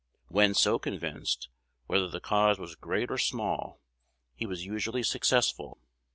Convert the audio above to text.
When so convinced, whether the cause was great or small, he was usually successful.